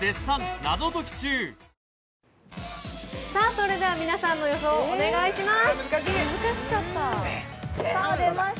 それでは皆さんの予想、お願いします。